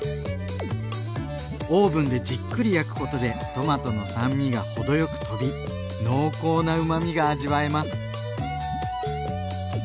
オーブンでじっくり焼くことでトマトの酸味が程よくとび濃厚なうまみが味わえます。